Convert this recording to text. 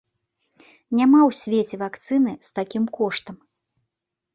Няма ў свеце вакцыны з такім коштам!